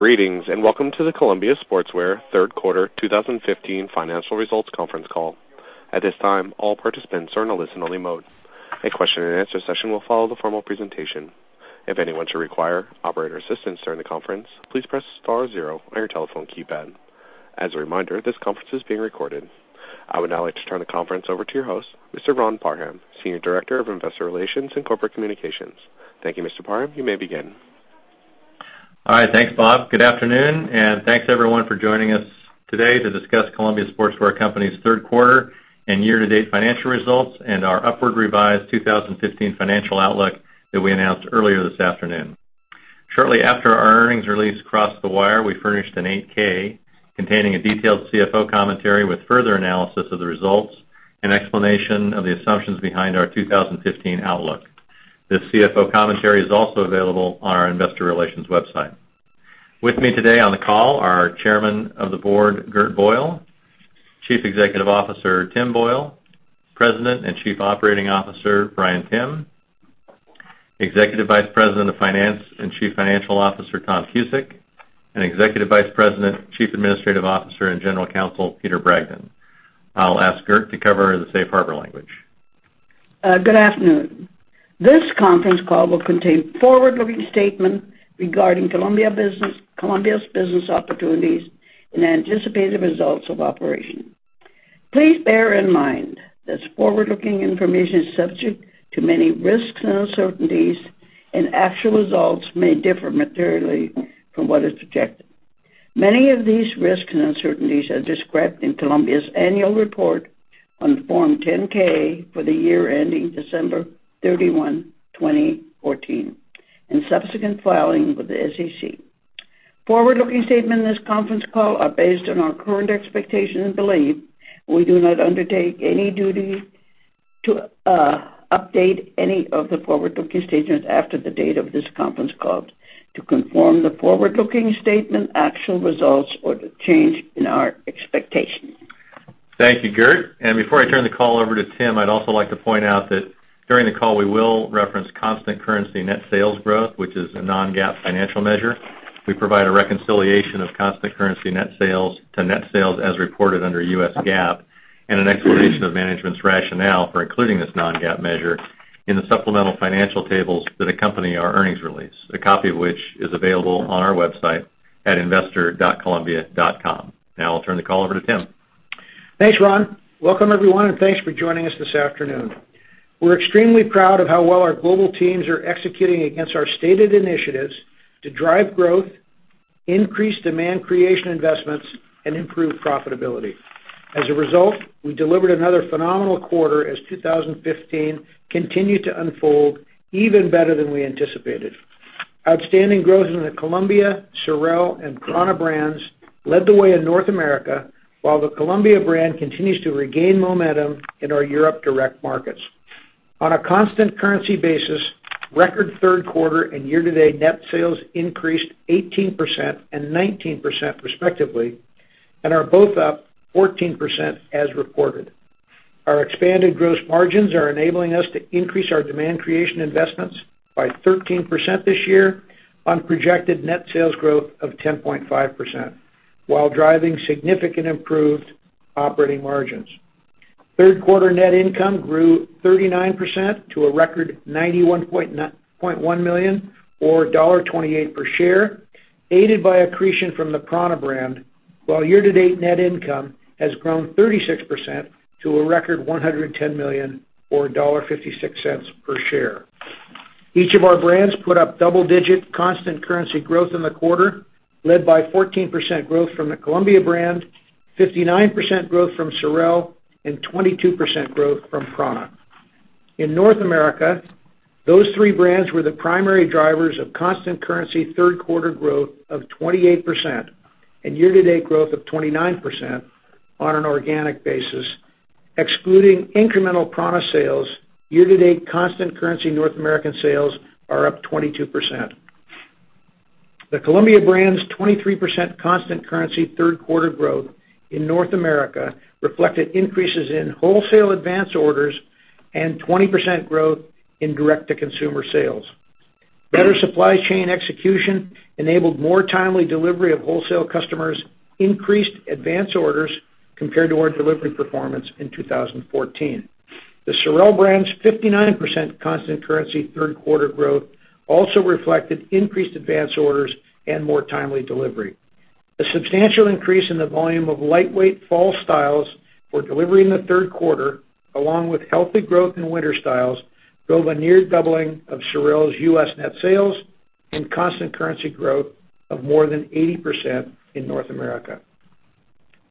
Greetings. Welcome to the Columbia Sportswear third quarter 2015 financial results conference call. At this time, all participants are in a listen-only mode. A question and answer session will follow the formal presentation. If anyone should require operator assistance during the conference, please press star zero on your telephone keypad. As a reminder, this conference is being recorded. I would now like to turn the conference over to your host, Mr. Ron Parham, Senior Director of Investor Relations and Corporate Communications. Thank you, Mr. Parham. You may begin. Hi. Thanks, Bob. Good afternoon. Thanks everyone for joining us today to discuss Columbia Sportswear Company's third quarter and year-to-date financial results and our upward revised 2015 financial outlook that we announced earlier this afternoon. Shortly after our earnings release crossed the wire, we furnished an 8-K containing a detailed CFO commentary with further analysis of the results and explanation of the assumptions behind our 2015 outlook. This CFO commentary is also available on our investor relations website. With me today on the call are Chairman of the Board, Gert Boyle, Chief Executive Officer, Tim Boyle, President and Chief Operating Officer, Bryan Timm, Executive Vice President of Finance and Chief Financial Officer, Tom Cusick, and Executive Vice President, Chief Administrative Officer and General Counsel, Peter Bragdon. I'll ask Gert to cover the safe harbor language. Good afternoon. This conference call will contain forward-looking statements regarding Columbia's business opportunities and anticipated results of operation. Please bear in mind that forward-looking information is subject to many risks and uncertainties. Actual results may differ materially from what is projected. Many of these risks and uncertainties are described in Columbia's annual report on Form 10-K for the year ending December 31, 2014, and subsequent filings with the SEC. Forward-looking statements in this conference call are based on our current expectations and belief. We do not undertake any duty to update any of the forward-looking statements after the date of this conference call to conform the forward-looking statement, actual results, or the change in our expectation. Thank you, Gert. Before I turn the call over to Tim, I'd also like to point out that during the call, we will reference constant currency net sales growth, which is a non-GAAP financial measure. We provide a reconciliation of constant currency net sales to net sales as reported under US GAAP. An explanation of management's rationale for including this non-GAAP measure in the supplemental financial tables that accompany our earnings release. A copy of which is available on our website at investor.columbia.com. I'll turn the call over to Tim. Thanks, Ron. Welcome everyone, and thanks for joining us this afternoon. We're extremely proud of how well our global teams are executing against our stated initiatives to drive growth, increase demand creation investments, and improve profitability. As a result, we delivered another phenomenal quarter as 2015 continued to unfold even better than we anticipated. Outstanding growth in the Columbia, SOREL, and prAna brands led the way in North America, while the Columbia brand continues to regain momentum in our Europe direct markets. On a constant currency basis, record third quarter and year-to-date net sales increased 18% and 19% respectively and are both up 14% as reported. Our expanded gross margins are enabling us to increase our demand creation investments by 13% this year on projected net sales growth of 10.5% while driving significant improved operating margins. Third quarter net income grew 39% to a record $91.1 million or $1.28 per share, aided by accretion from the prAna brand. While year-to-date net income has grown 36% to a record $110 million, or $1.56 per share. Each of our brands put up double-digit constant currency growth in the quarter, led by 14% growth from the Columbia brand, 59% growth from SOREL, and 22% growth from prAna. In North America, those three brands were the primary drivers of constant currency third quarter growth of 28% and year-to-date growth of 29% on an organic basis. Excluding incremental prAna sales, year-to-date constant currency North American sales are up 22%. The Columbia brand's 23% constant currency third quarter growth in North America reflected increases in wholesale advance orders and 20% growth in direct-to-consumer sales. Better supply chain execution enabled more timely delivery of wholesale customers increased advance orders compared to our delivery performance in 2014. The SOREL brand's 59% constant currency third quarter growth also reflected increased advance orders and more timely delivery. A substantial increase in the volume of lightweight fall styles were delivered in the third quarter, along with healthy growth in winter styles drove a near doubling of SOREL's U.S. net sales and constant currency growth of more than 80% in North America.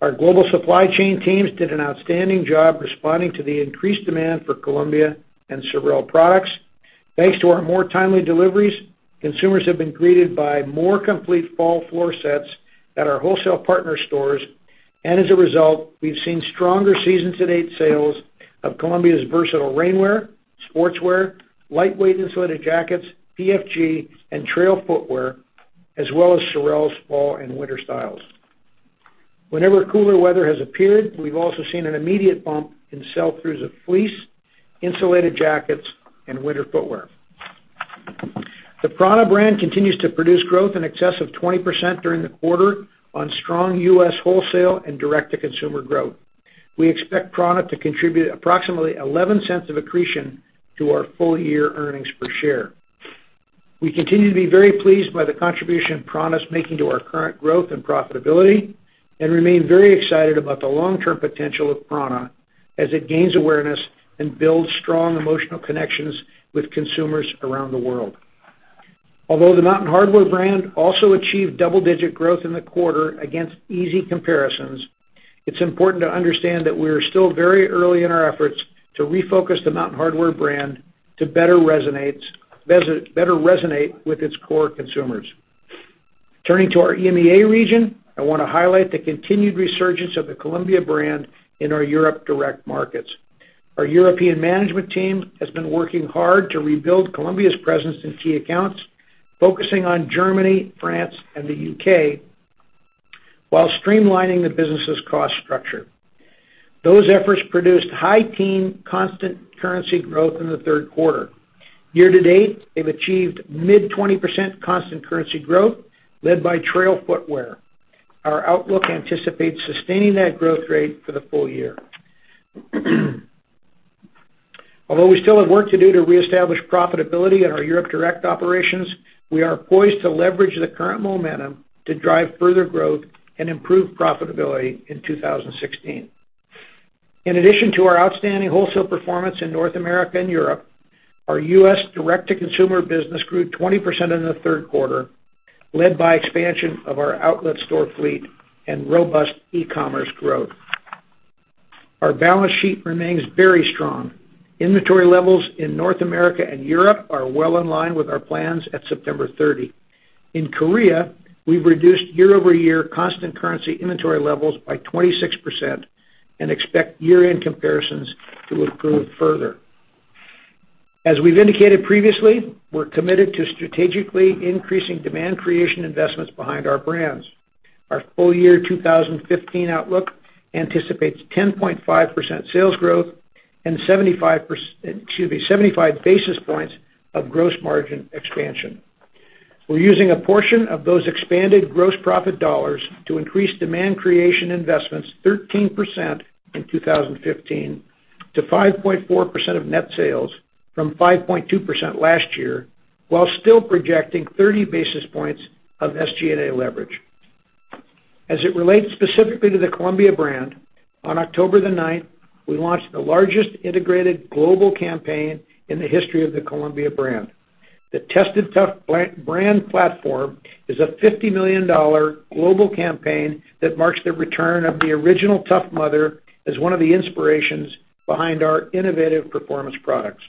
Our global supply chain teams did an outstanding job responding to the increased demand for Columbia and SOREL products. Thanks to our more timely deliveries, consumers have been greeted by more complete fall floor sets at our wholesale partner stores, and as a result, we've seen stronger season-to-date sales of Columbia's versatile rainwear, sportswear, lightweight insulated jackets, PFG, and trail footwear, as well as SOREL's fall and winter styles. Whenever cooler weather has appeared, we've also seen an immediate bump in sell-throughs of fleece, insulated jackets, and winter footwear. The prAna brand continues to produce growth in excess of 20% during the quarter on strong U.S. wholesale and direct-to-consumer growth. We expect prAna to contribute approximately $0.11 of accretion to our full-year earnings per share. We continue to be very pleased by the contribution prAna's making to our current growth and profitability, and remain very excited about the long-term potential of prAna as it gains awareness and builds strong emotional connections with consumers around the world. Although the Mountain Hardwear brand also achieved double-digit growth in the quarter against easy comparisons, it's important to understand that we are still very early in our efforts to refocus the Mountain Hardwear brand to better resonate with its core consumers. Turning to our EMEA region, I want to highlight the continued resurgence of the Columbia brand in our Europe direct markets. Our European management team has been working hard to rebuild Columbia's presence in key accounts, focusing on Germany, France, and the U.K., while streamlining the business's cost structure. Those efforts produced high teen constant currency growth in the third quarter. Year-to-date, they've achieved mid 20% constant currency growth, led by trail footwear. Our outlook anticipates sustaining that growth rate for the full year. Although we still have work to do to reestablish profitability in our Europe direct operations, we are poised to leverage the current momentum to drive further growth and improve profitability in 2016. In addition to our outstanding wholesale performance in North America and Europe, our U.S. direct-to-consumer business grew 20% in the third quarter, led by expansion of our outlet store fleet and robust e-commerce growth. Our balance sheet remains very strong. Inventory levels in North America and Europe are well in line with our plans at September 30. In Korea, we've reduced year-over-year constant currency inventory levels by 26% and expect year-end comparisons to improve further. As we've indicated previously, we're committed to strategically increasing demand creation investments behind our brands. Our full year 2015 outlook anticipates 10.5% sales growth and 75 basis points of gross margin expansion. We're using a portion of those expanded gross profit dollars to increase demand creation investments 13% in 2015 to 5.4% of net sales from 5.2% last year, while still projecting 30 basis points of SG&A leverage. As it relates specifically to the Columbia brand, on October the 9th, we launched the largest integrated global campaign in the history of the Columbia brand. The Tested Tough brand platform is a $50 million global campaign that marks the return of the original Tough Mother as one of the inspirations behind our innovative performance products.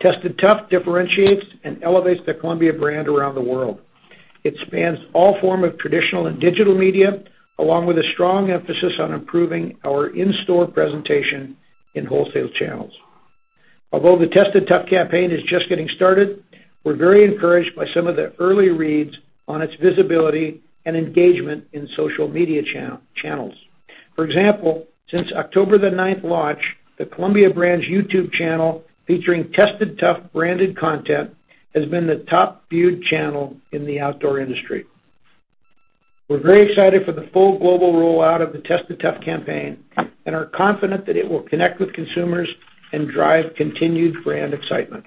Tested Tough differentiates and elevates the Columbia brand around the world. It spans all form of traditional and digital media, along with a strong emphasis on improving our in-store presentation in wholesale channels. Although the Tested Tough campaign is just getting started, we're very encouraged by some of the early reads on its visibility and engagement in social media channels. For example, since October the 9th launch, the Columbia brand's YouTube channel featuring Tested Tough branded content, has been the top viewed channel in the outdoor industry. We're very excited for the full global rollout of the Tested Tough campaign and are confident that it will connect with consumers and drive continued brand excitement.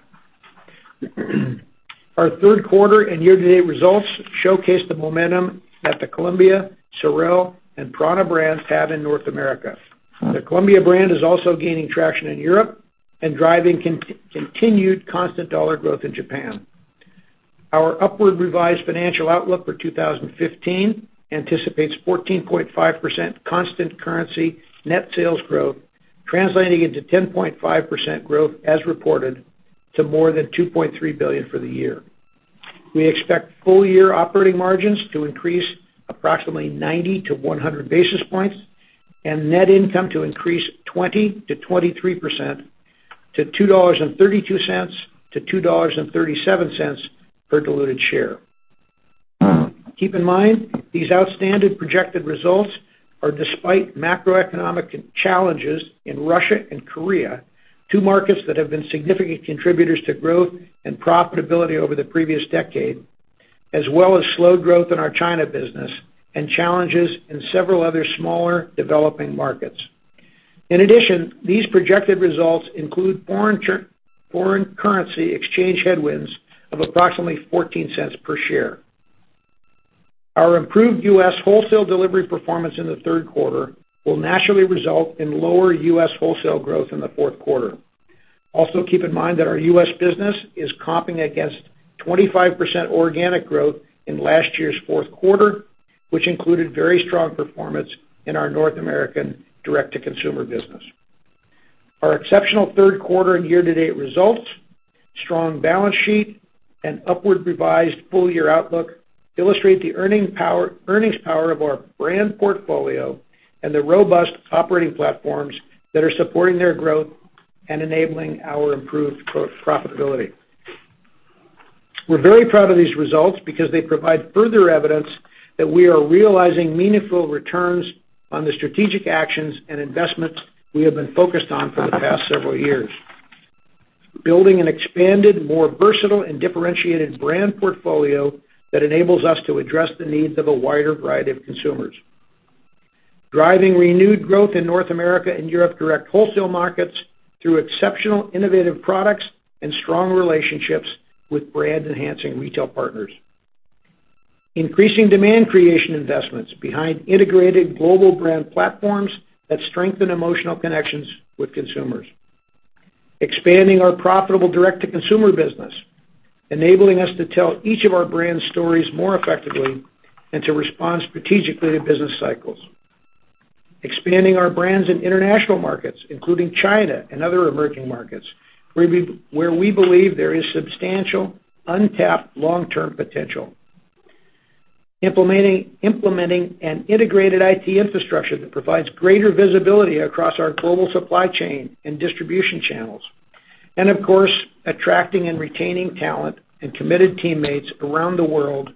Our third quarter and year-to-date results showcase the momentum that the Columbia, SOREL, and prAna brands have in North America. The Columbia brand is also gaining traction in Europe and driving continued constant dollar growth in Japan. Our upward revised financial outlook for 2015 anticipates 14.5% constant currency net sales growth, translating into 10.5% growth as reported to more than $2.3 billion for the year. We expect full-year operating margins to increase approximately 90 to 100 basis points and net income to increase 20%-23%, to $2.32-$2.37 per diluted share. Keep in mind, these outstanding projected results are despite macroeconomic challenges in Russia and Korea, two markets that have been significant contributors to growth and profitability over the previous decade, as well as slow growth in our China business and challenges in several other smaller developing markets. In addition, these projected results include foreign currency exchange headwinds of approximately $0.14 per share. Our improved U.S. wholesale delivery performance in the third quarter will naturally result in lower U.S. wholesale growth in the fourth quarter. Also, keep in mind that our U.S. business is comping against 25% organic growth in last year's fourth quarter, which included very strong performance in our North American direct-to-consumer business. Our exceptional third quarter and year-to-date results, strong balance sheet, and upward revised full-year outlook illustrate the earnings power of our brand portfolio and the robust operating platforms that are supporting their growth and enabling our improved growth profitability. We're very proud of these results because they provide further evidence that we are realizing meaningful returns on the strategic actions and investments we have been focused on for the past several years. Building an expanded, more versatile, and differentiated brand portfolio that enables us to address the needs of a wider variety of consumers. Driving renewed growth in North America and Europe direct wholesale markets through exceptional innovative products and strong relationships with brand-enhancing retail partners. Increasing demand creation investments behind integrated global brand platforms that strengthen emotional connections with consumers. Expanding our profitable direct-to-consumer business, enabling us to tell each of our brand stories more effectively and to respond strategically to business cycles. Expanding our brands in international markets, including China and other emerging markets, where we believe there is substantial, untapped long-term potential. Implementing an integrated IT infrastructure that provides greater visibility across our global supply chain and distribution channels. Of course, attracting and retaining talent and committed teammates around the world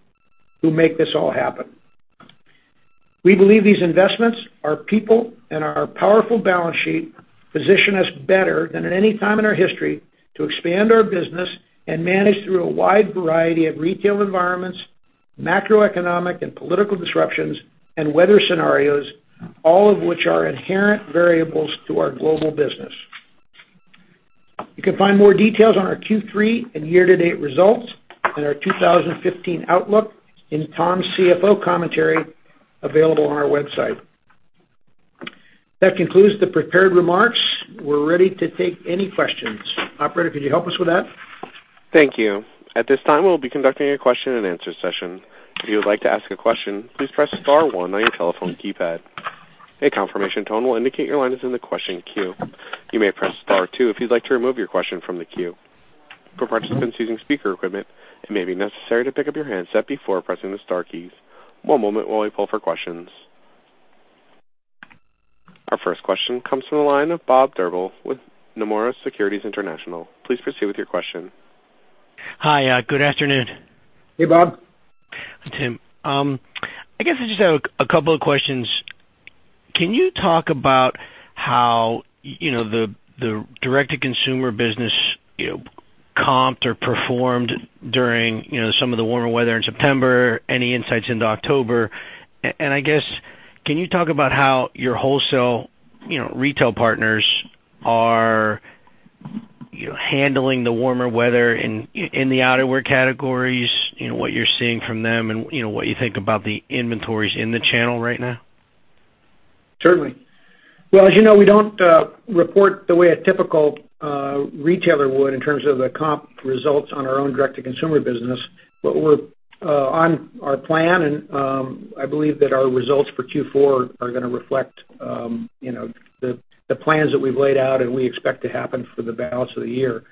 who make this all happen. We believe these investments, our people, and our powerful balance sheet position us better than at any time in our history to expand our business and manage through a wide variety of retail environments, macroeconomic and political disruptions, and weather scenarios, all of which are inherent variables to our global business. You can find more details on our Q3 and year-to-date results and our 2015 outlook in Tom's CFO commentary available on our website. That concludes the prepared remarks. We're ready to take any questions. Operator, could you help us with that? Thank you. At this time, we'll be conducting a question and answer session. If you would like to ask a question, please press star one on your telephone keypad. A confirmation tone will indicate your line is in the question queue. You may press star two if you'd like to remove your question from the queue. For participants using speaker equipment, it may be necessary to pick up your handset before pressing the star keys. One moment while we pull for questions. Our first question comes from the line of Bob Drbul with Nomura Securities International. Please proceed with your question. Hi. Good afternoon. Hey, Bob. Tim. I guess I just have a couple of questions. Can you talk about how the direct-to-consumer business comped or performed during some of the warmer weather in September? Any insights into October? I guess, can you talk about how your wholesale retail partners are handling the warmer weather in the outerwear categories, what you're seeing from them, and what you think about the inventories in the channel right now? Certainly. Well, as you know, we don't report the way a typical retailer would in terms of the comp results on our own direct-to-consumer business. We're on our plan, and I believe that our results for Q4 are going to reflect the plans that we've laid out and we expect to happen for the balance of the year.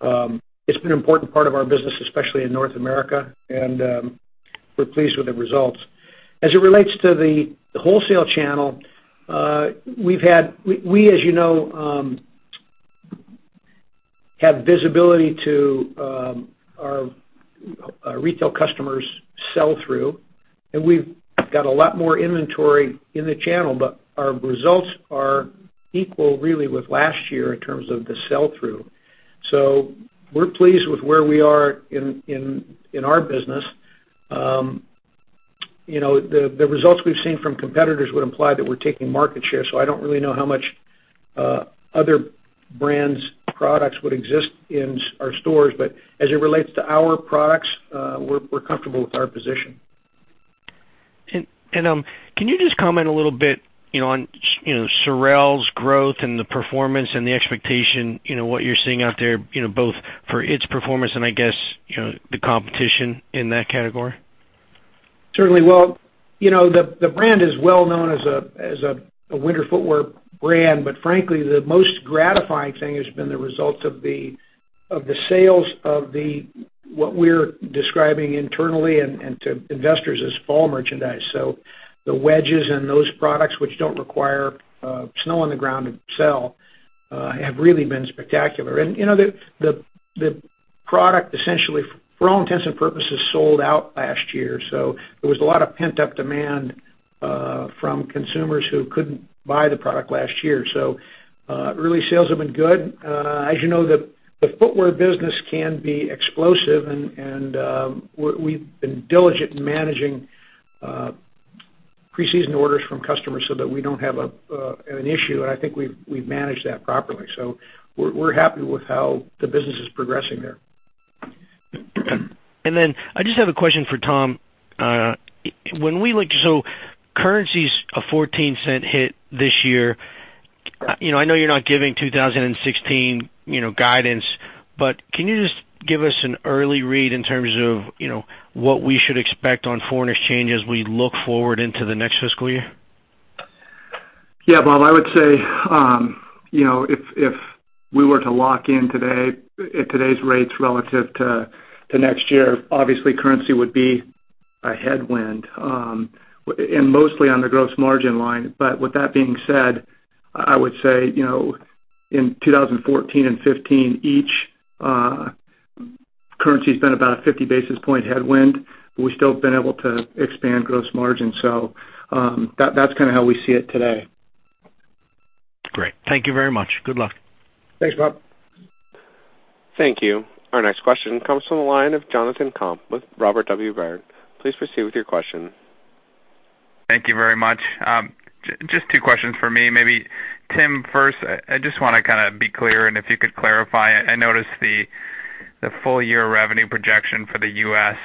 It's been an important part of our business, especially in North America, and we're pleased with the results. As it relates to the wholesale channel, we, as you know, have visibility to our retail customers' sell-through, and we've got a lot more inventory in the channel, but our results are equal, really, with last year in terms of the sell-through. We're pleased with where we are in our business. The results we've seen from competitors would imply that we're taking market share. I don't really know how much other brands' products would exist in our stores. As it relates to our products, we're comfortable with our position. Can you just comment a little bit on SOREL's growth and the performance and the expectation, what you're seeing out there, both for its performance and I guess, the competition in that category? Certainly. Well, the brand is well known as a winter footwear brand. Frankly, the most gratifying thing has been the results of the sales of what we're describing internally and to investors as fall merchandise. The wedges and those products which don't require snow on the ground to sell have really been spectacular. The product, essentially, for all intents and purposes, sold out last year. There was a lot of pent-up demand from consumers who couldn't buy the product last year. Really, sales have been good. As you know, the footwear business can be explosive, and we've been diligent in managing pre-season orders from customers so that we don't have an issue, and I think we've managed that properly. We're happy with how the business is progressing there. I just have a question for Tom. Currency's a $0.14 hit this year. I know you're not giving 2016 guidance, but can you just give us an early read in terms of what we should expect on foreign exchange as we look forward into the next fiscal year? Yeah, Bob, I would say, if we were to lock in today at today's rates relative to next year, obviously currency would be A headwind, and mostly on the gross margin line. With that being said, I would say, in 2014 and 2015, each currency's been about a 50 basis point headwind, but we've still been able to expand gross margin. That's how we see it today. Great. Thank you very much. Good luck. Thanks, Bob. Thank you. Our next question comes from the line of Jonathan Komp with Robert W. Baird. Please proceed with your question. Thank you very much. Just two questions from me. Maybe Tim first, I just want to be clear, if you could clarify, I noticed the full year revenue projection for the U.S.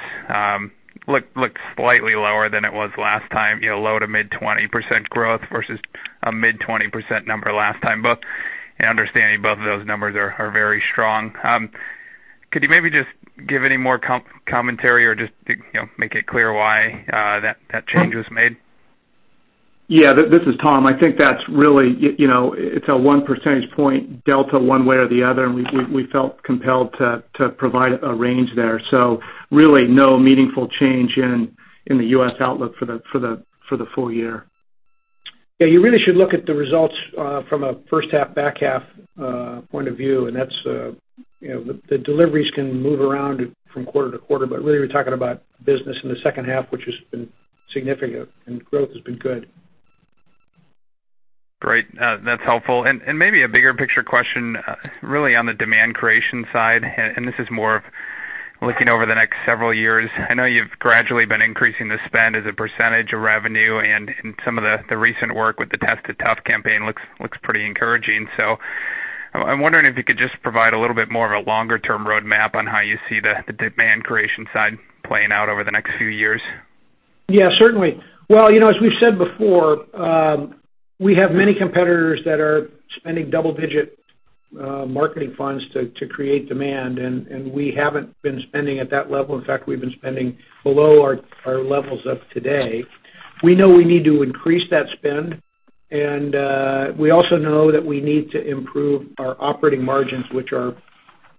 looked slightly lower than it was last time, low to mid 20% growth versus a mid 20% number last time. Understanding both of those numbers are very strong. Could you maybe just give any more commentary or just make it clear why that change was made? This is Tom. I think that's really, it's a one percentage point delta one way or the other, we felt compelled to provide a range there. Really no meaningful change in the U.S. outlook for the full year. Yeah, you really should look at the results from a first half, back half point of view, and the deliveries can move around from quarter to quarter. Really, we're talking about business in the second half, which has been significant, and growth has been good. Great. That's helpful. Maybe a bigger picture question really on the demand creation side, and this is more looking over the next several years. I know you've gradually been increasing the spend as a % of revenue, and some of the recent work with the Tested Tough campaign looks pretty encouraging. I'm wondering if you could just provide a little bit more of a longer-term roadmap on how you see the demand creation side playing out over the next few years. Yeah, certainly. Well, as we've said before, we have many competitors that are spending double-digit marketing funds to create demand, we haven't been spending at that level. In fact, we've been spending below our levels of today. We know we need to increase that spend, we also know that we need to improve our operating margins, which are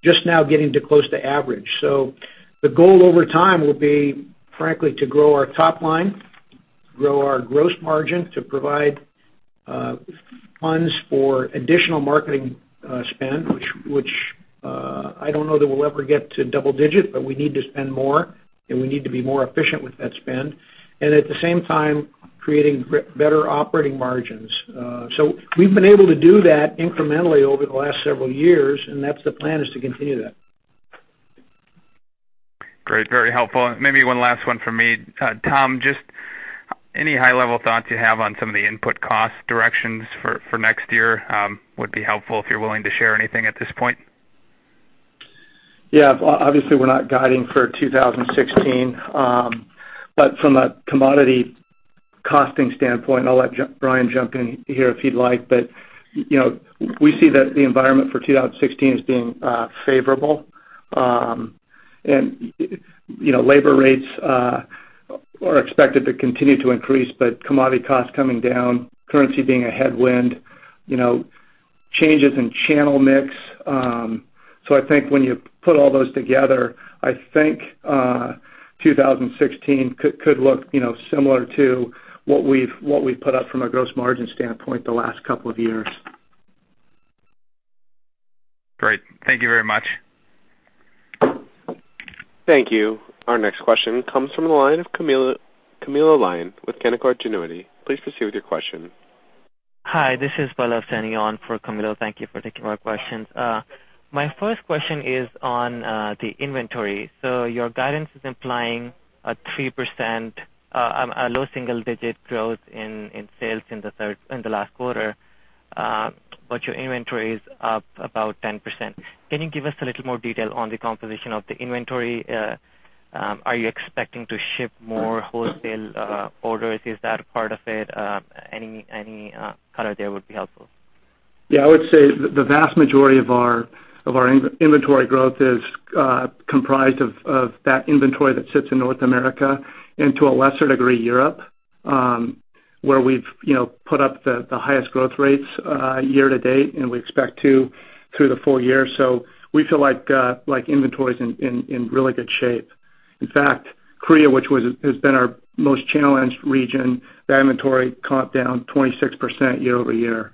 just now getting to close to average. The goal over time will be, frankly, to grow our top line, grow our gross margin, to provide funds for additional marketing spend, which I don't know that we'll ever get to double-digit, we need to spend more, we need to be more efficient with that spend. At the same time, creating better operating margins. We've been able to do that incrementally over the last several years, and that's the plan, is to continue that. Great. Very helpful. Maybe one last one from me. Tom, just any high-level thoughts you have on some of the input cost directions for next year would be helpful, if you're willing to share anything at this point. Yeah. Obviously, we're not guiding for 2016. From a commodity costing standpoint, I'll let Bryan jump in here if he'd like, but we see that the environment for 2016 as being favorable. Labor rates are expected to continue to increase, but commodity costs coming down, currency being a headwind, changes in channel mix. I think when you put all those together, I think 2016 could look similar to what we've put up from a gross margin standpoint the last couple of years. Great. Thank you very much. Thank you. Our next question comes from the line of Camilo Lyon with Canaccord Genuity. Please proceed with your question. Hi, this is Balav standing on for Camilo. Thank you for taking my questions. My first question is on the inventory. Your guidance is implying a 3%, a low single-digit growth in sales in the last quarter, but your inventory is up about 10%. Can you give us a little more detail on the composition of the inventory? Are you expecting to ship more wholesale orders? Any color there would be helpful. Yeah. I would say the vast majority of our inventory growth is comprised of that inventory that sits in North America and, to a lesser degree, Europe, where we've put up the highest growth rates year to date, and we expect to through the full year. We feel like inventory's in really good shape. In fact, Korea, which has been our most challenged region, their inventory caught down 26% year-over-year.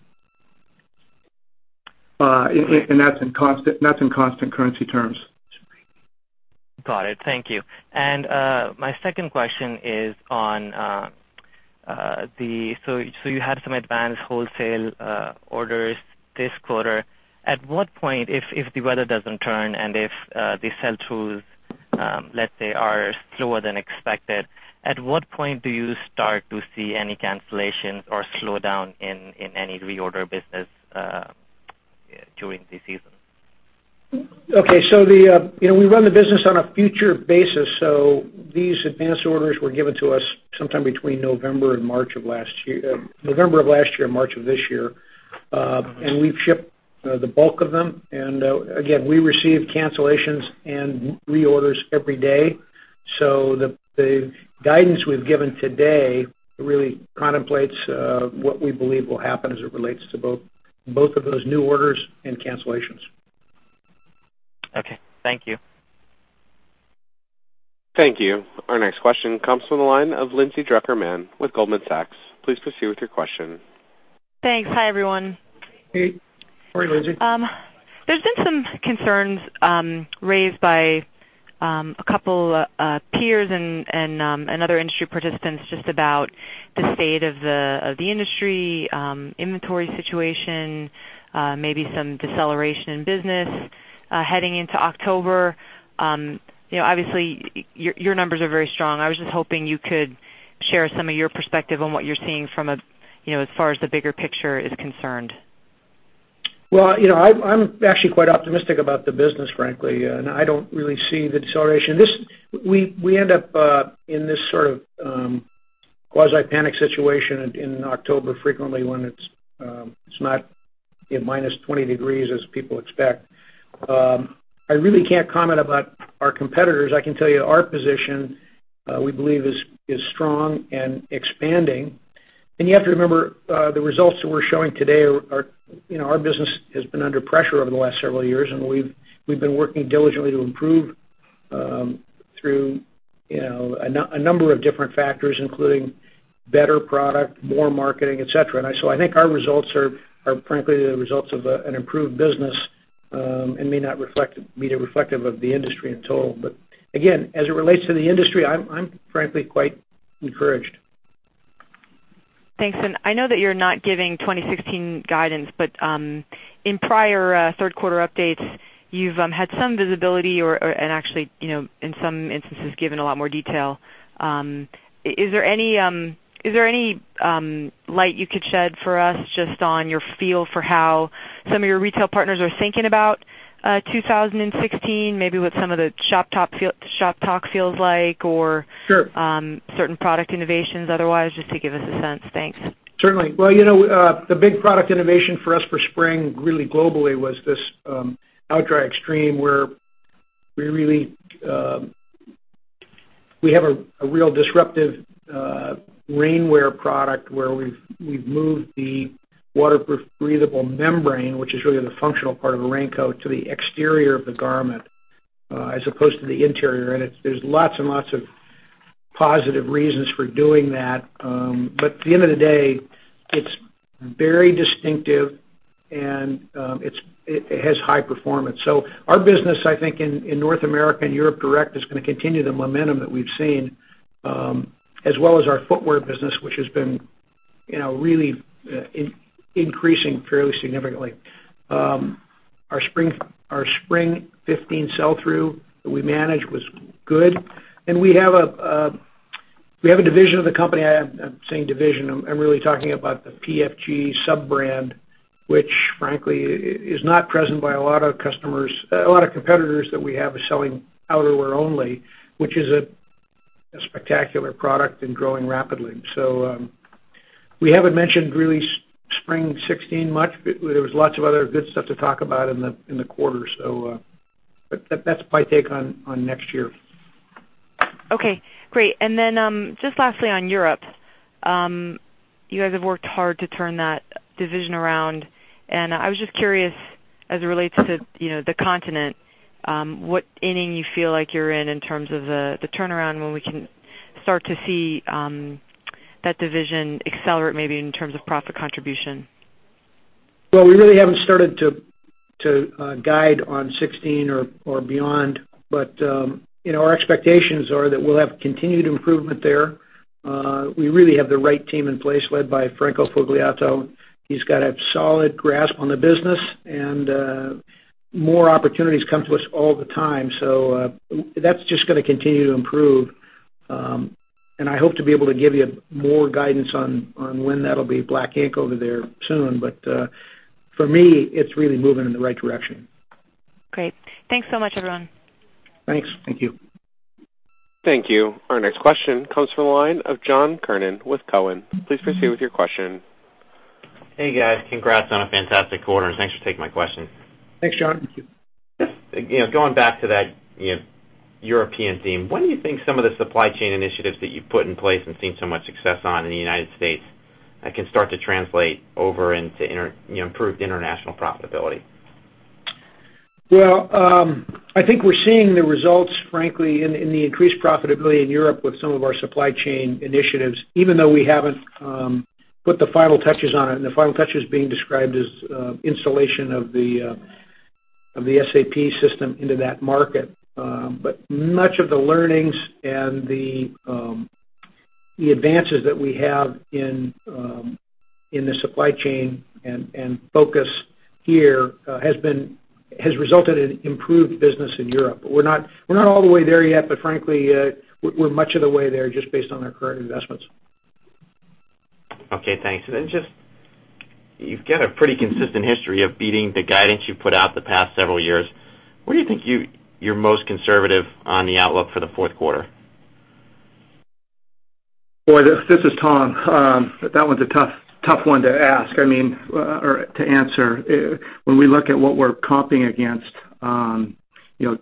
That's in constant currency terms. Got it. Thank you. My second question is on the. You had some advanced wholesale orders this quarter. At what point, if the weather doesn't turn and if the sell-throughs, let's say, are slower than expected, at what point do you start to see any cancellations or slowdown in any reorder business during the season? Okay. We run the business on a future basis, so these advanced orders were given to us sometime between November of last year and March of this year. We've shipped the bulk of them. Again, we receive cancellations and reorders every day. The guidance we've given today really contemplates what we believe will happen as it relates to both of those new orders and cancellations. Okay. Thank you. Thank you. Our next question comes from the line of Lindsay Drucker Mann with Goldman Sachs. Please proceed with your question. Thanks. Hi, everyone. Hey. How are you, Lindsay? There's been some concerns raised by a couple peers and other industry participants just about the state of the industry, inventory situation, maybe some deceleration in business heading into October. Obviously, your numbers are very strong. I was just hoping you could share some of your perspective on what you're seeing from as far as the bigger picture is concerned. Well, I'm actually quite optimistic about the business, frankly. I don't really see the deceleration. We end up in this sort of quasi panic situation in October frequently when it's not minus 20 degrees as people expect. I really can't comment about our competitors. I can tell you our position, we believe is strong and expanding. You have to remember, the results that we're showing today are our business has been under pressure over the last several years, and we've been working diligently to improve through a number of different factors, including better product, more marketing, et cetera. I think our results are, frankly, the results of an improved business, and may not be reflective of the industry in total. Again, as it relates to the industry, I'm frankly quite encouraged. Thanks. I know that you're not giving 2016 guidance, but in prior third quarter updates, you've had some visibility or, actually, in some instances, given a lot more detail. Is there any light you could shed for us just on your feel for how some of your retail partners are thinking about 2016, maybe what some of the shop talk feels like or- Sure certain product innovations otherwise, just to give us a sense? Thanks. Certainly. Well, the big product innovation for us for spring, really globally, was this OutDry Extreme, where we have a real disruptive rainwear product where we've moved the waterproof, breathable membrane, which is really the functional part of a raincoat, to the exterior of the garment as opposed to the interior. There's lots and lots of positive reasons for doing that. At the end of the day, it's very distinctive and it has high performance. Our business, I think, in North America and Europe direct is going to continue the momentum that we've seen, as well as our footwear business, which has been really increasing fairly significantly. Our spring 2015 sell-through that we managed was good. We have a division of the company. I'm saying division, I'm really talking about the PFG sub-brand, which frankly, is not present by a lot of competitors that we have are selling outerwear only, which is a spectacular product and growing rapidly. We haven't mentioned really spring 2016 much. There was lots of other good stuff to talk about in the quarter. That's my take on next year. Okay, great. Just lastly on Europe. You guys have worked hard to turn that division around, and I was just curious, as it relates to the continent, what inning you feel like you're in terms of the turnaround, when we can start to see that division accelerate, maybe in terms of profit contribution? Well, we really haven't started to guide on 2016 or beyond, but our expectations are that we'll have continued improvement there. We really have the right team in place, led by Franco Fogliato. He's got a solid grasp on the business and more opportunities come to us all the time. That's just going to continue to improve. I hope to be able to give you more guidance on when that'll be black ink over there soon. For me, it's really moving in the right direction. Great. Thanks so much, everyone. Thanks. Thank you. Our next question comes from the line of John Kernan with Cowen. Please proceed with your question. Hey, guys. Congrats on a fantastic quarter, and thanks for taking my question. Thanks, John. Thank you. Just going back to that European theme, when do you think some of the supply chain initiatives that you've put in place and seen so much success on in the U.S. can start to translate over into improved international profitability? Well, I think we're seeing the results, frankly, in the increased profitability in Europe with some of our supply chain initiatives, even though we haven't put the final touches on it, and the final touches being described as installation of the SAP system into that market. Much of the learnings and the advances that we have in the supply chain and focus here has resulted in improved business in Europe. We're not all the way there yet, but frankly, we're much of the way there just based on our current investments. Okay, thanks. You've got a pretty consistent history of beating the guidance you've put out the past several years. Where do you think you're most conservative on the outlook for the fourth quarter? Boy, this is Tom. That one's a tough one to answer. When we look at what we're comping against, 25%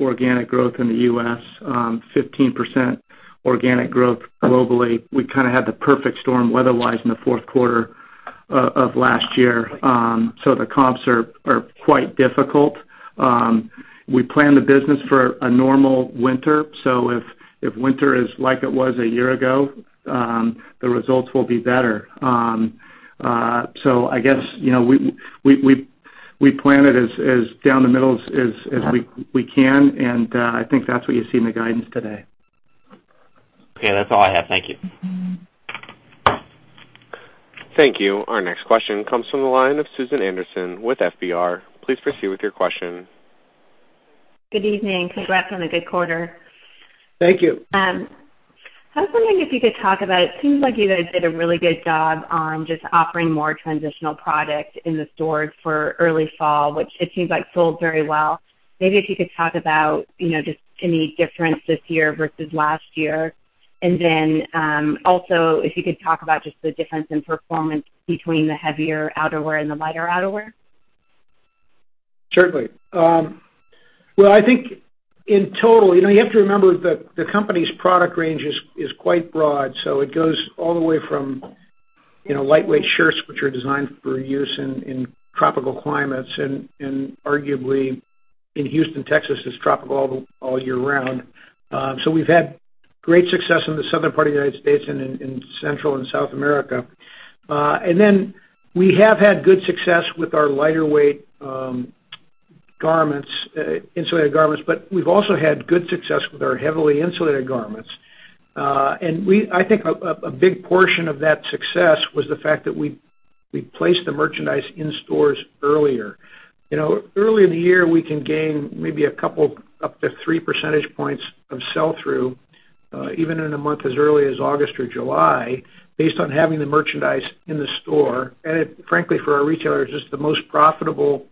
organic growth in the U.S., 15% organic growth globally, we kind of had the perfect storm weather-wise in the fourth quarter. The comps are quite difficult. We plan the business for a normal winter, if winter is like it was a year ago, the results will be better. I guess, we plan it as down the middle as we can, and I think that's what you see in the guidance today. Okay. That's all I have. Thank you. Thank you. Our next question comes from the line of Susan Anderson with FBR. Please proceed with your question. Good evening. Congrats on a good quarter. Thank you. I was wondering if you could talk about, it seems like you guys did a really good job on just offering more transitional product in the stores for early fall, which it seems like sold very well. Maybe if you could talk about just any difference this year versus last year. Also, if you could talk about just the difference in performance between the heavier outerwear and the lighter outerwear. Certainly. I think in total, you have to remember that the company's product range is quite broad. It goes all the way from lightweight shirts, which are designed for use in tropical climates, and arguably, in Houston, Texas, it's tropical all year round. We've had great success in the southern part of the U.S. and in Central and South America. We have had good success with our lighter weight garments, insulated garments, we've also had good success with our heavily insulated garments. I think a big portion of that success was the fact that we placed the merchandise in stores earlier. Early in the year, we can gain maybe a couple, up to three percentage points of sell-through, even in a month as early as August or July, based on having the merchandise in the store. Frankly, for our retailers, it's the most profitable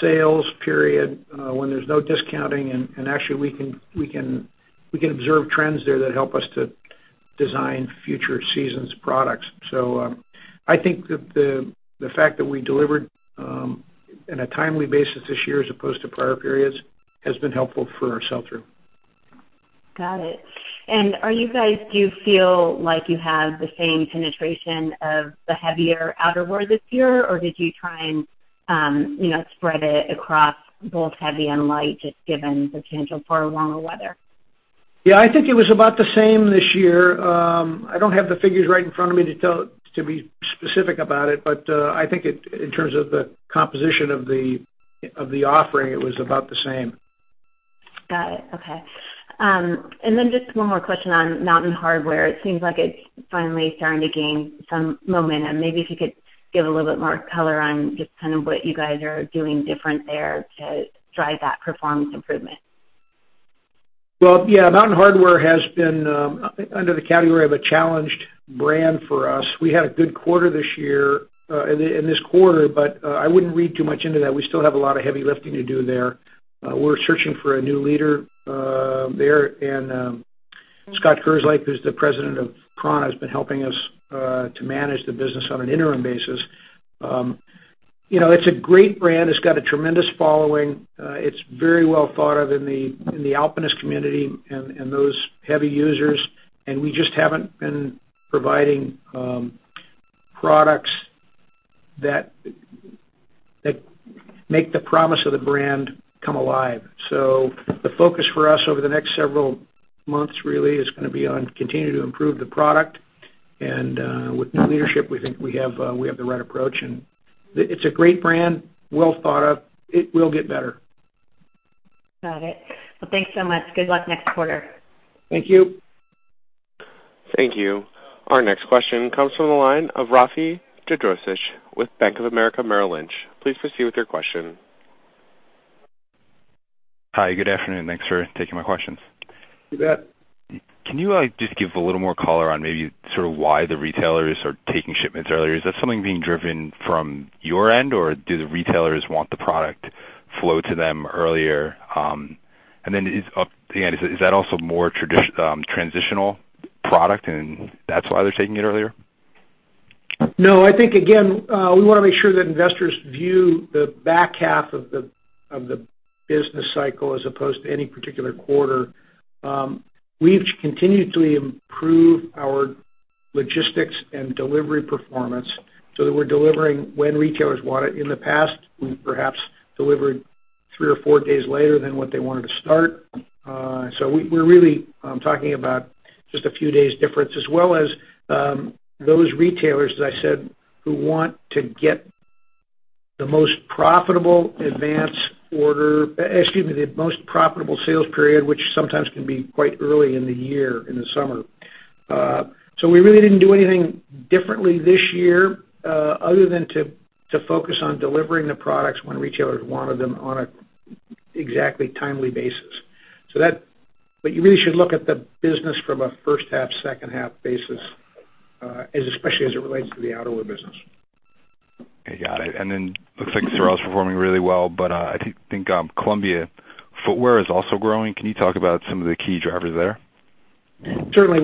sales period, when there's no discounting, and actually, we can observe trends there that help us to design future seasons' products. I think that the fact that we delivered in a timely basis this year as opposed to prior periods, has been helpful for our sell-through. Got it. Do you feel like you have the same penetration of the heavier outerwear this year, or did you try and spread it across both heavy and light, just given the potential for warmer weather? Yeah, I think it was about the same this year. I don't have the figures right in front of me to be specific about it, but I think in terms of the composition of the offering, it was about the same. Got it. Okay. Just one more question on Mountain Hardwear. It seems like it's finally starting to gain some momentum. Maybe if you could give a little bit more color on just what you guys are doing different there to drive that performance improvement. Well, yeah. Mountain Hardwear has been under the category of a challenged brand for us. We had a good quarter this year, in this quarter, I wouldn't read too much into that. We still have a lot of heavy lifting to do there. We're searching for a new leader there. Scott Kerslake, who's the president of prAna, has been helping us to manage the business on an interim basis. It's a great brand. It's got a tremendous following. It's very well thought of in the alpinist community and those heavy users. We just haven't been providing products that make the promise of the brand come alive. The focus for us over the next several months, really, is going to be on continuing to improve the product. With new leadership, we think we have the right approach. It's a great brand, well thought of. It will get better. Got it. Well, thanks so much. Good luck next quarter. Thank you. Thank you. Our next question comes from the line of Rafe Jadrosich with Bank of America Merrill Lynch. Please proceed with your question. Hi, good afternoon. Thanks for taking my questions. You bet. Can you just give a little more color on maybe sort of why the retailers are taking shipments earlier? Is that something being driven from your end, or do the retailers want the product flow to them earlier? Is, again, is that also more transitional product and that's why they're taking it earlier? No, I think, again, we want to make sure that investors view the back half of the business cycle as opposed to any particular quarter. We've continued to improve our logistics and delivery performance so that we're delivering when retailers want it. In the past, we perhaps delivered three or four days later than what they wanted to start. We're really talking about just a few days difference, as well as those retailers, as I said, who want to get the most profitable sales period, which sometimes can be quite early in the year, in the summer. We really didn't do anything differently this year, other than to focus on delivering the products when retailers wanted them on a exactly timely basis. You really should look at the business from a first-half, second-half basis, especially as it relates to the outerwear business. Okay, got it. Looks like SOREL's performing really well, but I think Columbia footwear is also growing. Can you talk about some of the key drivers there? Certainly.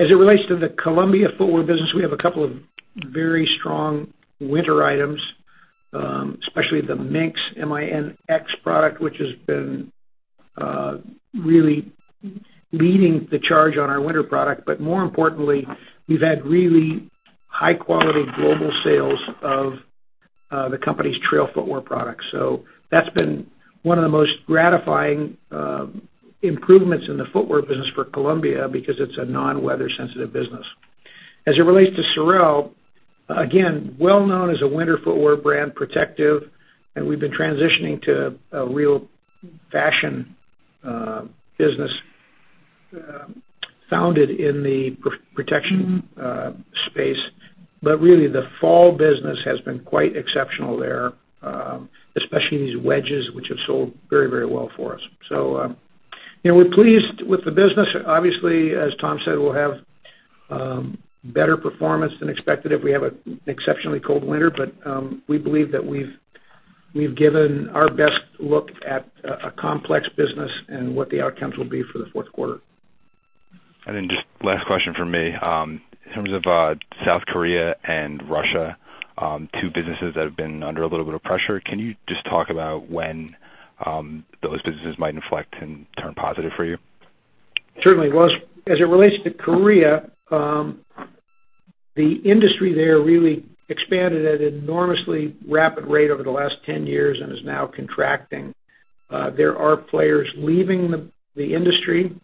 As it relates to the Columbia footwear business, we have a couple of very strong winter items, especially the Minx, M-I-N-X product, which has been really leading the charge on our winter product. More importantly, we've had really high-quality global sales of the company's trail footwear products. That's been one of the most gratifying improvements in the footwear business for Columbia because it's a non-weather sensitive business. As it relates to SOREL, again, well known as a winter footwear brand, protective, and we've been transitioning to a real fashion business founded in the protection space. Really, the fall business has been quite exceptional there, especially these wedges, which have sold very well for us. We're pleased with the business. Obviously, as Tom Cusick said, we'll have better performance than expected if we have an exceptionally cold winter. We believe that we've given our best look at a complex business and what the outcomes will be for the fourth quarter. Just last question from me. In terms of South Korea and Russia, two businesses that have been under a little bit of pressure, can you just talk about when those businesses might inflect and turn positive for you? Certainly. Well, as it relates to Korea, the industry there really expanded at an enormously rapid rate over the last 10 years and is now contracting. There are players leaving the industry.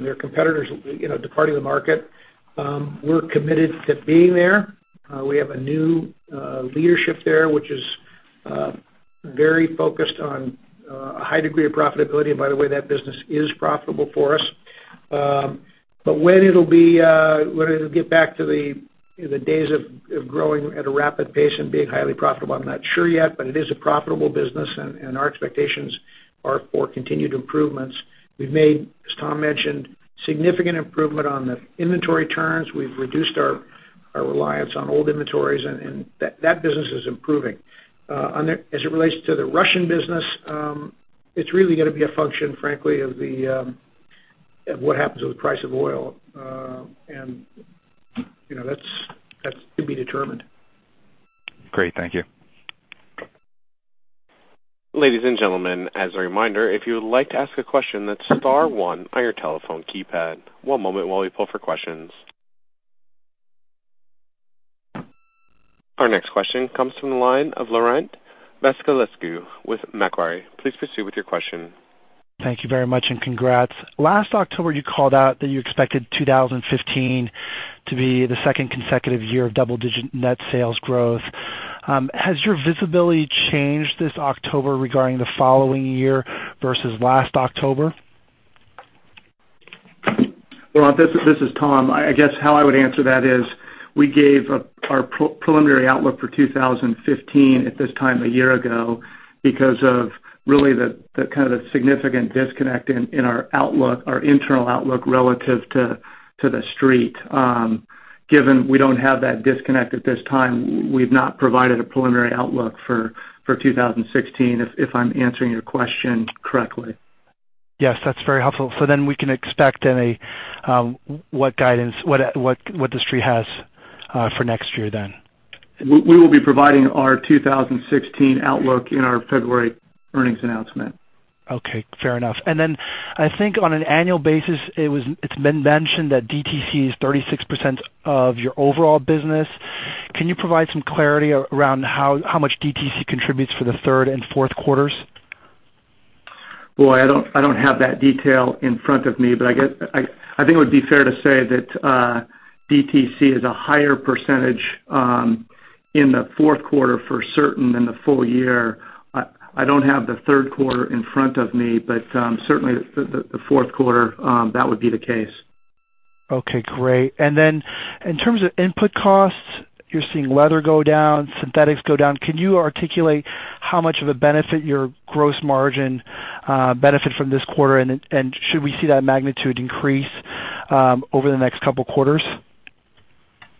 There are competitors departing the market. We're committed to being there. We have a new leadership there, which is very focused on a high degree of profitability. By the way, that business is profitable for us. When it'll get back to the days of growing at a rapid pace and being highly profitable, I'm not sure yet, but it is a profitable business, and our expectations are for continued improvements. We've made, as Tom mentioned, significant improvement on the inventory turns. We've reduced our reliance on old inventories, and that business is improving. As it relates to the Russian business, it's really going to be a function, frankly, of what happens with the price of oil. That's to be determined. Great. Thank you. Ladies and gentlemen, as a reminder, if you would like to ask a question, that's star one on your telephone keypad. One moment while we pull for questions. Our next question comes from the line of Laurent Vasilescu with Macquarie. Please proceed with your question. Thank you very much, and congrats. Last October, you called out that you expected 2015 to be the second consecutive year of double-digit net sales growth. Has your visibility changed this October regarding the following year versus last October? Well, this is Tom. I guess how I would answer that is, we gave our preliminary outlook for 2015 at this time a year ago because of really the significant disconnect in our internal outlook relative to the street. Given we don't have that disconnect at this time, we've not provided a preliminary outlook for 2016, if I'm answering your question correctly. Yes, that's very helpful. We can expect what the street has for next year then. We will be providing our 2016 outlook in our February earnings announcement. Okay. Fair enough. I think on an annual basis, it's been mentioned that DTC is 36% of your overall business. Can you provide some clarity around how much DTC contributes for the third and fourth quarters? Boy, I don't have that detail in front of me, but I think it would be fair to say that DTC is a higher percentage in the fourth quarter for certain than the full year. I don't have the third quarter in front of me, but certainly the fourth quarter, that would be the case. Okay, great. In terms of input costs, you're seeing leather go down, synthetics go down. Can you articulate how much of a benefit your gross margin benefit from this quarter, and should we see that magnitude increase over the next couple quarters?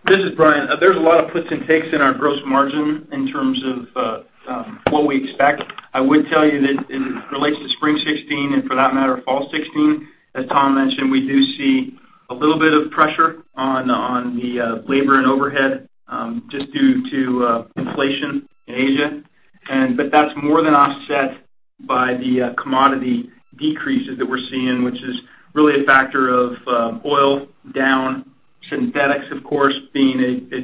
This is Bryan. There's a lot of puts and takes in our gross margin in terms of what we expect. I would tell you that as it relates to spring 2016, and for that matter, fall 2016, as Tom mentioned, we do see a little bit of pressure on the labor and overhead, just due to inflation in Asia. That's more than offset by the commodity decreases that we're seeing, which is really a factor of oil down, synthetics, of course, being a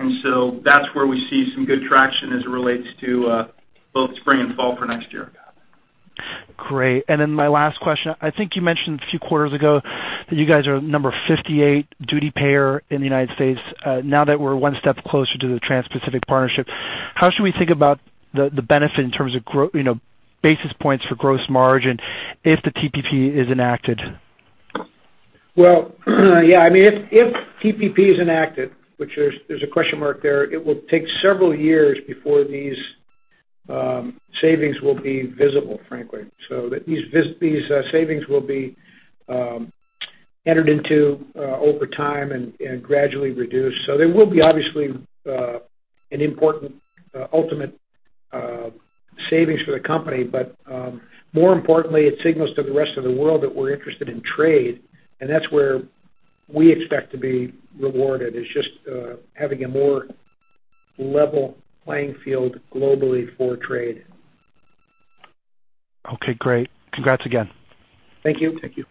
derivative of the oil. That's where we see some good traction as it relates to both spring and fall for next year. Great. My last question. I think you mentioned a few quarters ago that you guys are number 58 duty payer in the U.S. Now that we're one step closer to the Trans-Pacific Partnership, how should we think about the benefit in terms of basis points for gross margin if the TPP is enacted? Well, yeah, if TPP is enacted, which there's a question mark there, it will take several years before these savings will be visible, frankly. These savings will be entered into over time and gradually reduced. They will be obviously an important ultimate savings for the company. More importantly, it signals to the rest of the world that we're interested in trade, and that's where we expect to be rewarded, is just having a more level playing field globally for trade. Okay, great. Congrats again. Thank you. Thank you.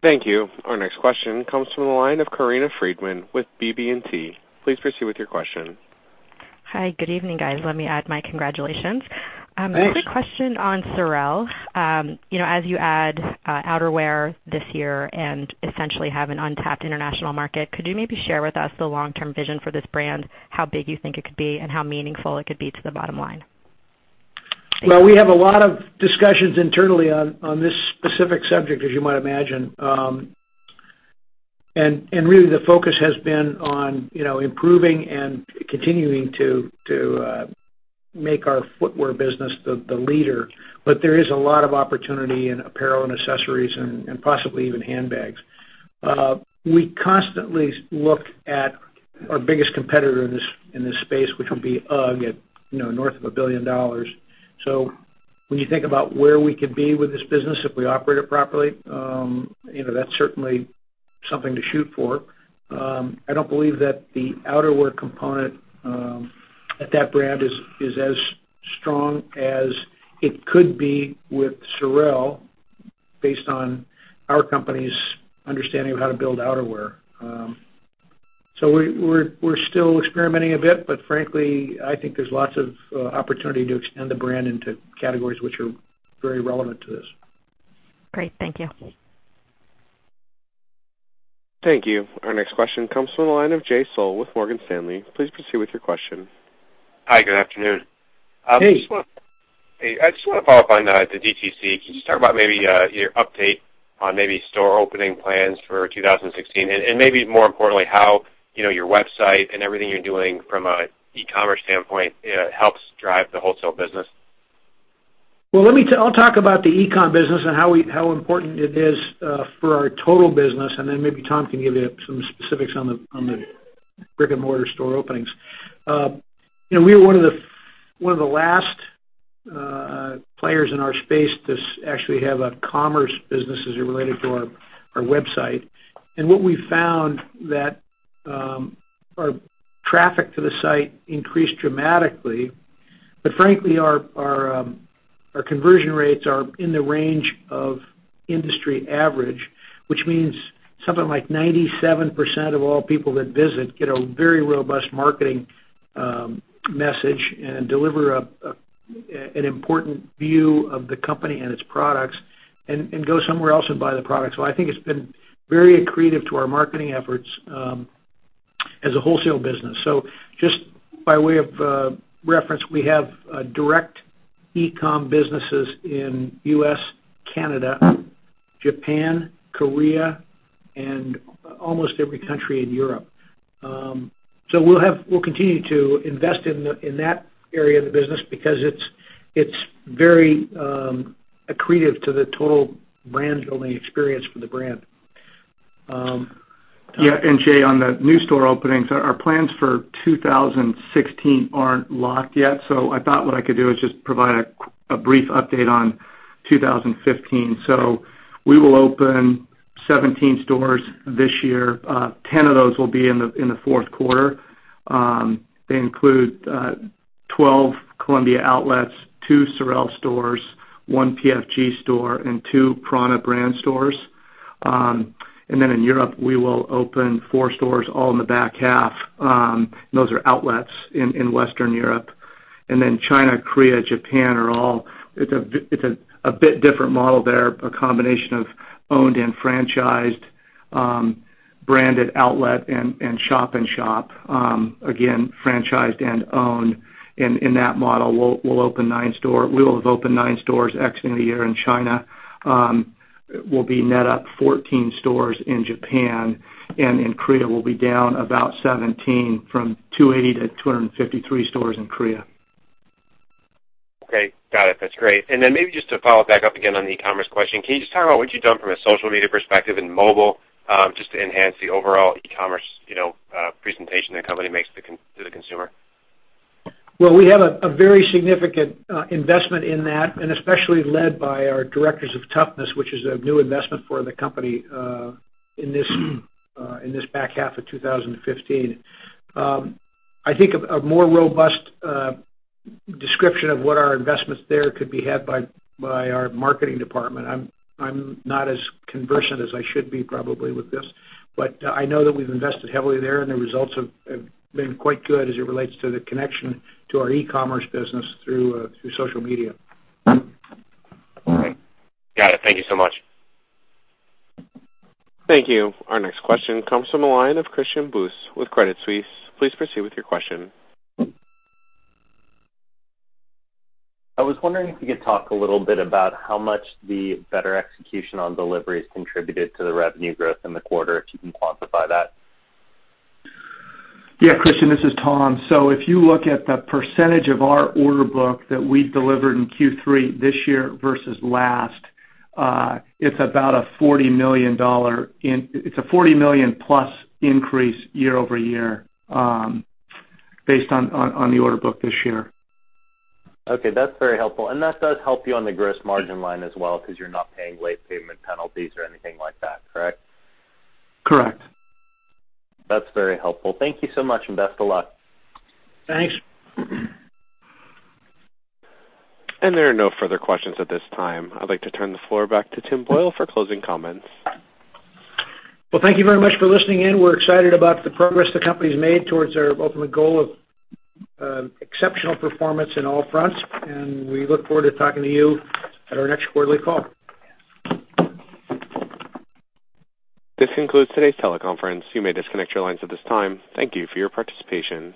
Thank you. Our next question comes from the line of Corinna Friedman with BB&T. Please proceed with your question. Hi, good evening, guys. Let me add my congratulations. Thanks. I have a question on SOREL. As you add outerwear this year and essentially have an untapped international market, could you maybe share with us the long-term vision for this brand, how big you think it could be, and how meaningful it could be to the bottom line? Well, we have a lot of discussions internally on this specific subject, as you might imagine. Really, the focus has been on improving and continuing to make our footwear business the leader. There is a lot of opportunity in apparel and accessories and possibly even handbags. We constantly look at our biggest competitor in this space, which would be UGG, at north of $1 billion. When you think about where we could be with this business if we operate it properly, that's certainly something to shoot for. I don't believe that the outerwear component at that brand is as strong as it could be with SOREL, based on our company's understanding of how to build outerwear. We're still experimenting a bit, but frankly, I think there's lots of opportunity to extend the brand into categories which are very relevant to this. Great. Thank you. Thank you. Our next question comes from the line of Jay Sole with Morgan Stanley. Please proceed with your question. Hi, good afternoon. Hey. Hey. I just want to follow up on the DTC. Can you just talk about maybe your update on maybe store opening plans for 2016, and maybe more importantly, how your website and everything you're doing from an e-commerce standpoint helps drive the wholesale business? Well, I'll talk about the e-com business and how important it is for our total business, and then maybe Tom can give you some specifics on the brick-and-mortar store openings. We were one of the last players in our space to actually have a commerce business as it related to our website. What we've found that our traffic to the site increased dramatically. Frankly, our conversion rates are in the range of industry average, which means something like 97% of all people that visit get a very robust marketing message and deliver an important view of the company and its products and go somewhere else and buy the product. I think it's been very accretive to our marketing efforts as a wholesale business. Just by way of reference, we have direct e-com businesses in U.S., Canada, Japan, Korea, and almost every country in Europe. We'll continue to invest in that area of the business because it's very accretive to the total brand-building experience for the brand. Tom? Jay, on the new store openings, our plans for 2016 aren't locked yet. I thought what I could do is just provide a brief update on 2015. We will open 17 stores this year. 10 of those will be in the fourth quarter. They include 12 Columbia outlets, two SOREL stores, one PFG store, and two prAna brand stores. In Europe, we will open four stores all in the back half. Those are outlets in Western Europe. China, Korea, Japan, it's a bit different model there, a combination of owned and franchised, branded outlet, and shop and shop. Again, franchised and owned in that model. We will have opened nine stores exiting the year in China. We'll be net up 14 stores in Japan. In Korea, we'll be down about 17 from 280 to 253 stores in Korea. Okay, got it. That's great. Maybe just to follow back up again on the e-commerce question, can you just talk about what you've done from a social media perspective in mobile just to enhance the overall e-commerce presentation the company makes to the consumer? We have a very significant investment in that, especially led by our directors of toughness, which is a new investment for the company in this back half of 2015. I think a more robust description of what our investments there could be had by our marketing department. I'm not as conversant as I should be probably with this. I know that we've invested heavily there, the results have been quite good as it relates to the connection to our e-commerce business through social media. Great. Got it. Thank you so much. Thank you. Our next question comes from the line of Christian Buss with Credit Suisse. Please proceed with your question. I was wondering if you could talk a little bit about how much the better execution on deliveries contributed to the revenue growth in the quarter, if you can quantify that. Yeah, Christian, this is Tom. If you look at the percentage of our order book that we delivered in Q3 this year versus last, it's a $40 million-plus increase year-over-year based on the order book this year. Okay. That's very helpful. That does help you on the gross margin line as well because you're not paying late payment penalties or anything like that, correct? Correct. That's very helpful. Thank you so much, and best of luck. Thanks. There are no further questions at this time. I'd like to turn the floor back to Tim Boyle for closing comments. Well, thank you very much for listening in. We're excited about the progress the company's made towards our ultimate goal of exceptional performance in all fronts, and we look forward to talking to you at our next quarterly call. This concludes today's teleconference. You may disconnect your lines at this time. Thank you for your participation.